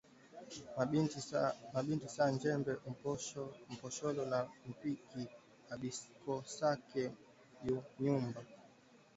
Ma bintu saa njembe, mposholo, na mpiki abikosake mu nyumba